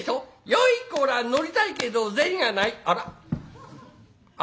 よいこら乗りたいけど銭がない「あらあら。